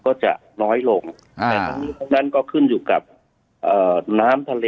ก็จะน้อยลงอ่าทั้งนี้ก็ขึ้นอยู่กับอ่า